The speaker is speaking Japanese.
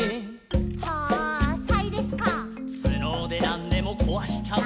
「つのでなんでもこわしちゃう」